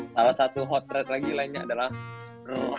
salah satu hot threat lagi lainnya adalah russell westbrook